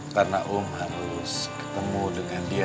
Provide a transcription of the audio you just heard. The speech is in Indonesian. karena um harus ketemu dengan dia